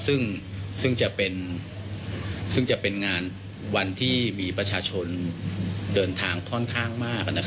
ซึ่งจะเป็นงานวันที่มีประชาชนเดินทางค่อนข้างมาก